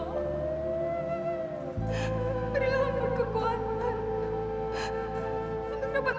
kepada sahabatmu ini ya allah